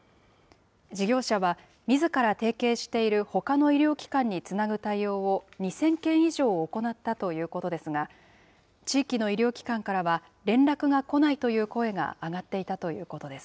事業者は、みずから提携しているほかの医療機関につなぐ対応を２０００件以上行ったということですが、地域の医療機関からは、連絡が来ないという声が上がっていたということです。